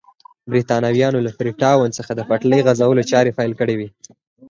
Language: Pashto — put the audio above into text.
برېټانویانو له فري ټاون څخه د پټلۍ غځولو چارې پیل کړې وې.